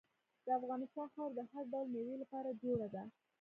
د افغانستان خاوره د هر ډول میوې لپاره جوړه ده.